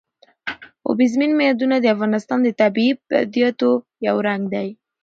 اوبزین معدنونه د افغانستان د طبیعي پدیدو یو رنګ دی.